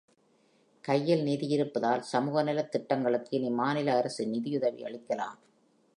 கையில் நிதி இருப்பதால், சமூகநலத் திட்டங்களுக்கு இனி மாநில அரசு நிதியுதவி அளிக்கலாம்.